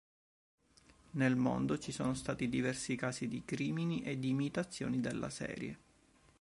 Nel mondo ci sono stati diversi casi di crimini e di imitazioni della serie.